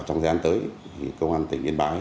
trong thời gian tới công an tỉnh yên bái